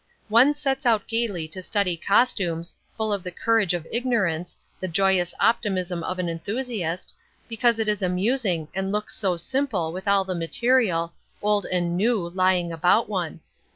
One sets out gaily to study costumes, full of the courage of ignorance, the joyous optimism of an enthusiast, because it is amusing and looks so simple with all the material, old and new, lying about one.